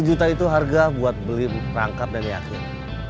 sepuluh juta itu harga buat beli perangkap dan yakin